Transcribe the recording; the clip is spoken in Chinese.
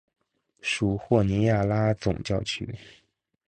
属霍尼亚拉总教区。